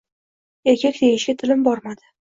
Erkak deyishga tilim bormadi.